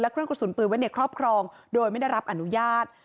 เครื่องกระสุนปืนไว้ในครอบครองโดยไม่ได้รับอนุญาต